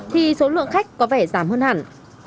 thì số lượng khách có vẻ giảm hơn hẳn